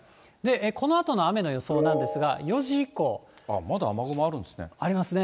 このあとの雨の予想なんですが、４時以降。ありますね。